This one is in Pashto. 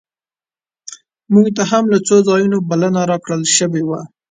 مونږ ته هم له څو ځایونو بلنه راکړل شوې وه.